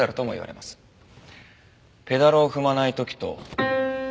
ペダルを踏まない時と。